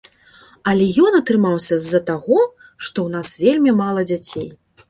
Але ён атрымаўся з-за таго, што ў нас вельмі мала дзяцей.